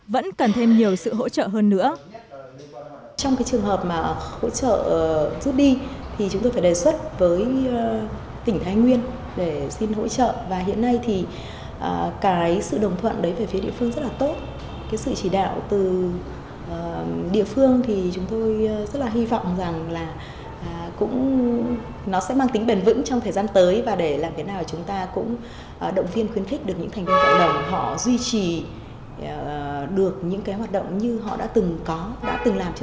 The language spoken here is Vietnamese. vẫn cần thêm nhiều sự hỗ trợ hơn nữa